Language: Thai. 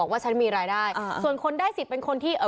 ว่าฉันมีรายได้ส่วนคนได้สิทธิ์เป็นคนที่